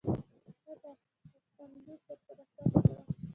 ښه ده، غوښتنلیک درسره ثبت کړه.